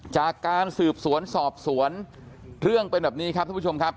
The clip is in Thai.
จากการสืบสวนสอบสวนเรื่องเป็นแบบนี้ครับท่านผู้ชมครับ